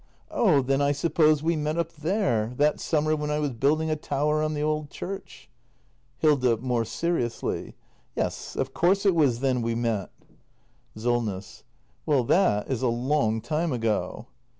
Oh, then I suppose we met up there, that summer when I was building a tower on the old church. Hilda. [More seriously.] Yes, of course it was then we met. Solness. Well, that is a long time ago.